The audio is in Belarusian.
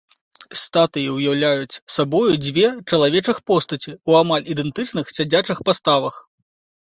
Статуі ўяўляюць сабою дзве чалавечых постаці ў амаль ідэнтычных сядзячых паставах.